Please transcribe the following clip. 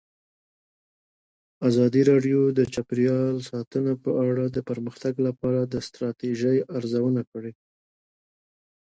ازادي راډیو د چاپیریال ساتنه په اړه د پرمختګ لپاره د ستراتیژۍ ارزونه کړې.